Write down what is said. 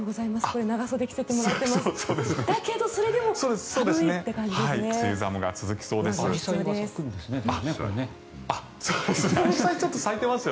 これ、長袖着せてもらってます。